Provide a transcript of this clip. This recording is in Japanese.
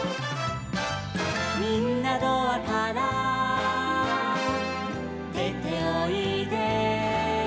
「みんなドアからでておいで」